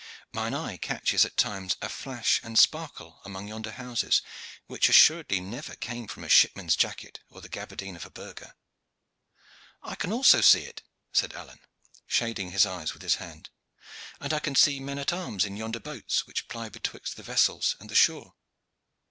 Mine eye catches at times a flash and sparkle among yonder houses which assuredly never came from shipman's jacket or the gaberdine of a burgher." "I can also see it," said Alleyne, shading his eyes with his hand. "And I can see men at arms in yonder boats which ply betwixt the vessel and the shore.